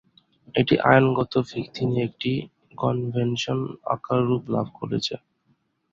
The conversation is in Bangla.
এটি আইনগত ভিত্তি নিয়ে একটি কনভেনশন আকারে রূপ লাভ করেছে।